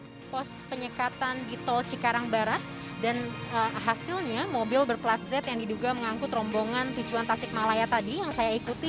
ini adalah pos penyekatan di tol cikarang barat dan hasilnya mobil berplat z yang diduga mengangkut rombongan tujuan tasikmalaya tadi yang saya ikuti